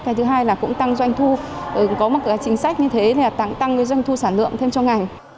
cái thứ hai là cũng tăng doanh thu có một cái chính sách như thế này là tăng doanh thu sản lượng thêm cho ngành